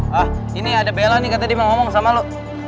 wah ini ada bella nih katanya dia mau ngomong sama lo